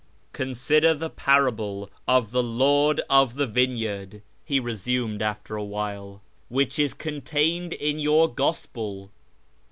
" Consider the parable of the Lord of the vineyard," he YEZD 397 resumed after a while, " which is contained in your gospel.